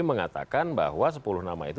mengatakan bahwa sepuluh nama itu